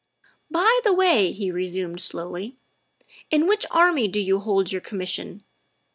" By the way," he resumed slowly, " in which army do you hold your commission?